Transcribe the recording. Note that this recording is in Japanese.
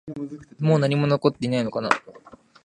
もう何も残っていないのかな？